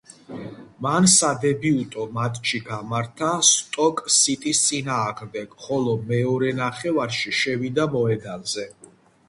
მან სადებიუტო მატჩი გამართა „სტოკ სიტის“ წინააღმდეგ, სადაც მეორე ნახევარში შევიდა მოედანზე.